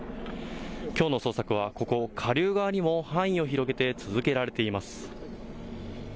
きょうの捜索はここ、下流側にも範囲を広げて続けられています。